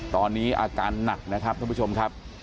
ตอนนี้อาการหนักนะครับท่านผู้ชมครับ